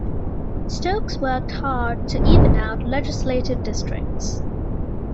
Stokes worked hard to even out legislative districts.